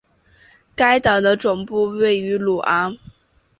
该党的总部位于鲁昂。